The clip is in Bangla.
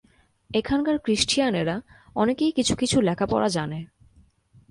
এখানকার খ্রীষ্টিয়ানেরা অনেকেই কিছু কিছু লেখাপড়া জানে।